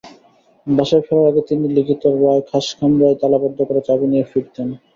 বাসায় ফেরার আগে তিনি লিখিত রায় খাসকামরায় তালাবদ্ধ করে চাবি নিয়ে ফিরতেন।